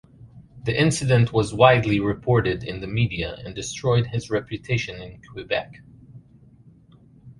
The incident was widely reported in the media and destroyed his reputation in Quebec.